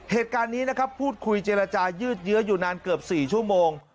เหตุการณ์นี้นะครับพูดคุยเจรจายืดเยื้ออยู่นานเกือบ๔ชั่วโมง